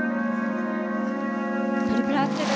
トリプルアクセル。